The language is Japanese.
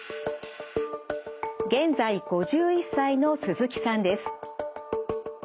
現在５１歳の鈴木さんです。